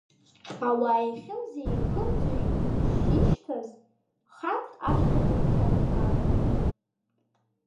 Ауаа еихьымӡа-еиԥымӡо ишишьҭаз, ханк ашҭа дынҭанагалеит.